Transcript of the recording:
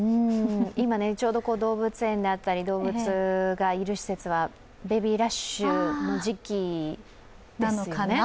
今、ちょうど動物園だったり動物がいる施設はベビーラッシュの時期なのかな。